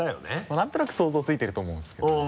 なんとなく想像ついてると思うんですけど。